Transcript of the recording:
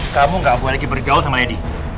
kamu gak boleh lagi bergaul sama lady